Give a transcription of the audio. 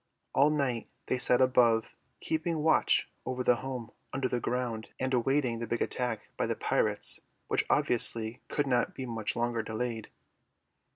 All night they sat above, keeping watch over the home under the ground and awaiting the big attack by the pirates which obviously could not be much longer delayed.